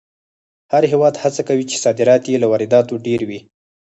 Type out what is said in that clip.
هر هېواد هڅه کوي چې صادرات یې له وارداتو ډېر وي.